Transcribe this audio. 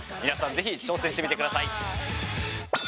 ぜひ挑戦してみてください！